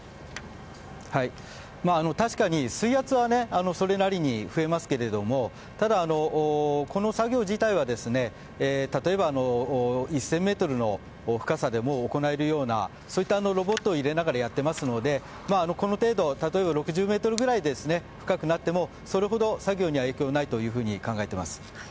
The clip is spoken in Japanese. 確かに、水圧はそれなりに増えますけれどもただ、この作業自体は例えば１０００ｍの深さでも行えるようなロボットを入れながらやっていますのでこの程度例えば６０ｍぐらい深くなってもそれほど作業には影響がないと考えています。